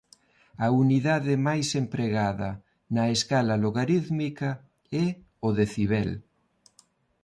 A unidade máis empregada na escala logarítmica é o decibel.